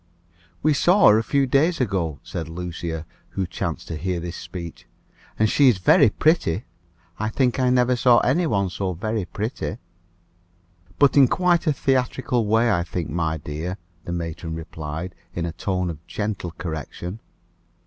"We saw her a few days ago," said Lucia, who chanced to hear this speech, "and she is very pretty. I think I never saw any one so very pretty before." "But in quite a theatrical way, I think, my dear," the matron replied, in a tone of gentle correction.